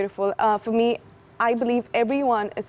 untuk saya saya percaya bahwa semua orang indah